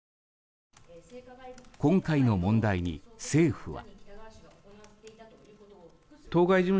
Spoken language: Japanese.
今回の問題に政府は。